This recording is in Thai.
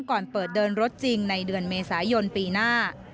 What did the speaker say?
ก่อนเปิดเดินรถจริงในเดือนเมษายนปีหน้า